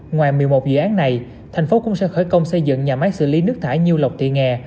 ngoài một mươi một dự án này thành phố cũng sẽ khởi công xây dựng nhà máy xử lý nước thải như lộc thị nghè